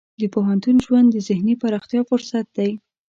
د پوهنتون ژوند د ذهني پراختیا فرصت دی.